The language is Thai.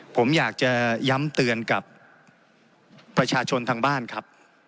ผมอยากจะย้ำเตือนกับประชาชนทางบ้านครับ